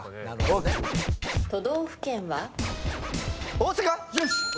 大阪？